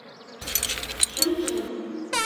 — Чын, чын!